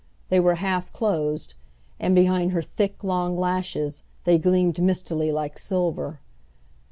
They were half closed, and behind her thick, long lashes they gleamed mistily like silver.